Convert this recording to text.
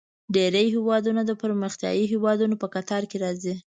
ډیری هیوادونه د پرمختیايي هیوادونو په کتار کې راځي.